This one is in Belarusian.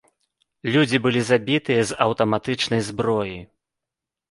Людзі былі забітыя з аўтаматычнай зброі.